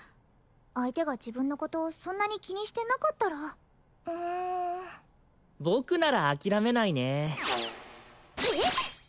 相手が自分のことそんなに気にしてなかったらうん僕なら諦めないねええっ！？